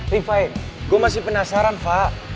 nih fai gue masih penasaran fak